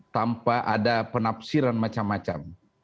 tanpa ada penafsiran macam macam